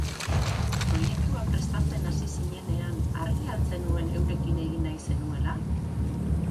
Proiektua prestatzen hasi zinenean argi al zenuen eurekin egin nahi zenuela?